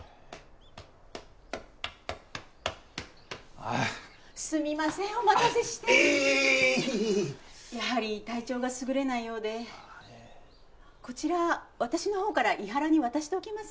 ああっすみませんお待たせしてあっいえいえいえいえやはり体調が優れないようでこちら私の方から伊原に渡しておきます